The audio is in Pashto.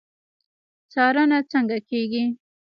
څارنه څنګه کیږي؟